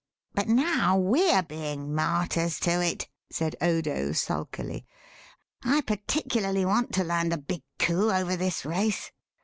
"But now we are being martyrs to it," said Odo sulkily; "I particularly want to land a big coup over this race."